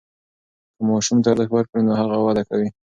که ماسوم ته ارزښت ورکړو نو هغه وده کوي.